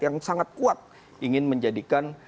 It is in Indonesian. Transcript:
yang sangat kuat ingin menjadikan